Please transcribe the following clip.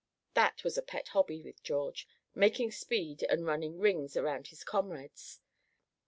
That was a pet hobby with George, making speed, and "running rings" around his comrades.